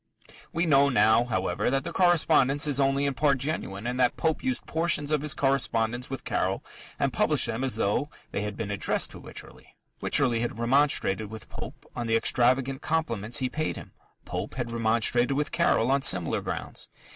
We know, now, however, that the correspondence is only in part genuine, and that Pope used portions of his correspondence with Caryll and published them as though they had been addressed to Wycherley. Wycherley had remonstrated with Pope on the extravagant compliments he paid him: Pope had remonstrated with Caryll on similar grounds.